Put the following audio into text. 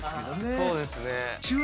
そうですね。